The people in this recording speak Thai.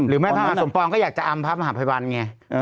หรือแม่ท่านหาสมปองก็อยากจะอำพระมหาพระไพรวัลไง